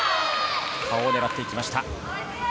青を狙ってきました。